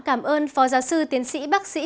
cảm ơn phó giáo sư tiến sĩ bác sĩ